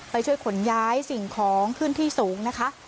ไปช่วยขนย้ายสิ่งของขึ้นที่สูงนะคะ